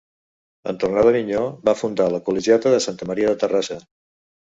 En tornar d'Avinyó, va fundar la col·legiata de Santa Maria de Terrassa.